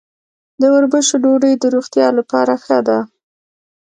د وربشو ډوډۍ د روغتیا لپاره ښه ده.